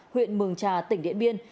huyện điện biên